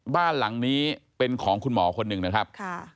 บ้านหลังนี้เป็นของคุณหมอคนหนึ่งนะครับ